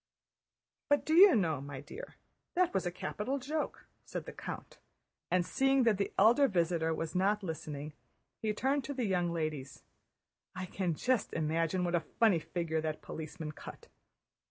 "But do you know, my dear, that was a capital joke," said the count; and seeing that the elder visitor was not listening, he turned to the young ladies. "I can just imagine what a funny figure that policeman cut!"